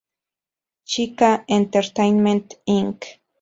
Chika Entertaiment Inc.